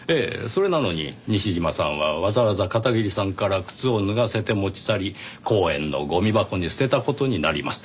それなのに西嶋さんはわざわざ片桐さんから靴を脱がせて持ち去り公園のゴミ箱に捨てた事になります。